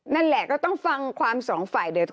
นั่นแหละก็ต้องฟังความสองฝ่ายเดี๋ยว